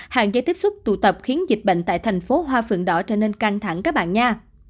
hạn chế tiếp xúc tụ tập khiến dịch bệnh tại thành phố hoa phượng đỏ trở nên căng thẳng các bạn nha